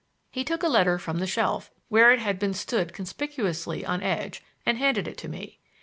He took a letter from the shelf, where it had been stood conspicuously on edge, and handed it to me.